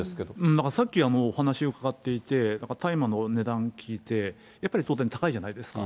なんかさっきお話を伺っていて、大麻の値段聞いて、やっぱり当然、高いじゃないですか。